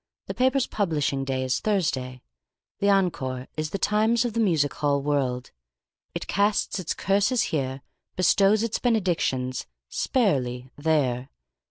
The paper's publishing day is Thursday. The Encore is the Times of the music hall world. It casts its curses here, bestows its benedictions (sparely) there.